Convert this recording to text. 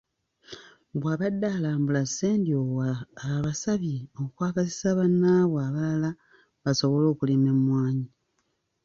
Bw'abadde alambula Ssendyowa abasabye okwagazisa bannaabwe abalala basobole okulima emmwanyi.